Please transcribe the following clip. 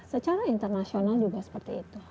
secara internasional juga seperti itu